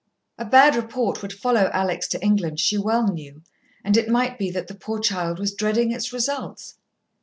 A bad report would follow Alex to England she well knew, and it might be that the poor child was dreading its results.